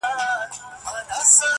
شاوخوا یې بیا پر قبر ماجر جوړ کئ,